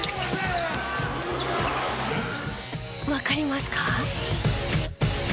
わかりますか？